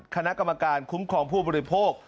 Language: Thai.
คณะกรรมการคุ้มครองผู้บริโภค